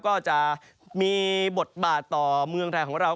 ก็จะมีบทบาทต่อเมืองไทยของเรา